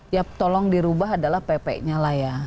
ya tolong dirubah adalah pp nya lah ya